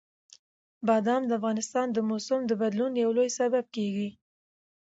بادام د افغانستان د موسم د بدلون یو لوی سبب کېږي.